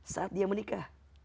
saat dia menikah